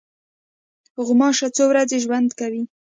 غوماشه څو ورځې ژوند کوي.